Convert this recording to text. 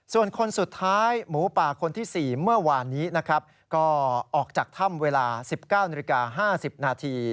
ส่วนคนสุดท้ายหมูป่าคนที่๔เมื่อวานนี้นะครับก็ออกจากถ้ำเวลา๑๙นาฬิกา๕๐นาที